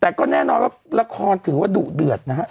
แต่ก็แน่นอนว่าละครถือว่าดุเดือดนะฮะ